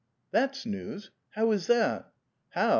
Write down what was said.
" That's news ! How is that? '*Ilow?